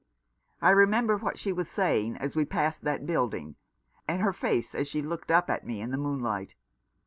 I remember what she was saying as we passed that building, and her face as she looked up at me in the moon light.